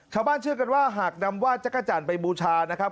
ชาวบ้านเชื่อกันว่าหากนำว่าจักรจันทร์ไปมูชานะครับ